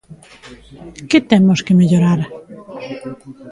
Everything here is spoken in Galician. ¿Que temos que mellorar?